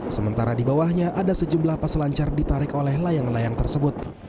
sementara di bawahnya ada sejumlah peselancar ditarik oleh layang layang tersebut